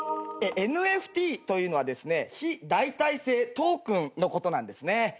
ＮＦＴというのはですね非代替性トークンのことなんですね。